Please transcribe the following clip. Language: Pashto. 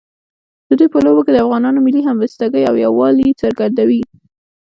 د دوی په لوبو کې د افغانانو ملي همبستګۍ او یووالي څرګندوي.